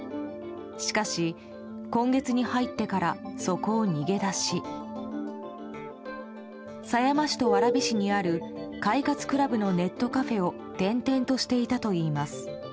しかし、今月に入ってからそこを逃げ出し狭山市と蕨市にある快活ＣＬＵＢのネットカフェを転々としていたといいます。